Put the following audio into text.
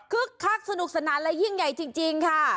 คักสนุกสนานและยิ่งใหญ่จริงค่ะ